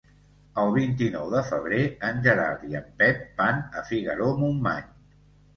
El vint-i-nou de febrer en Gerard i en Pep van a Figaró-Montmany.